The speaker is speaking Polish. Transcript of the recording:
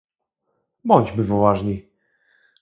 Bądźmy poważni!